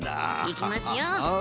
いきますよ。